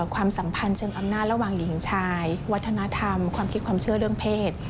ความสัมพันธ์เชิงอำนาจระหว่างหญิงชายวัฒนธรรมความคิดความเชื่อเรื่องเพศ